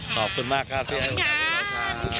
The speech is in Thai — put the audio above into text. ขอบคุณมากครับเถี๋ยว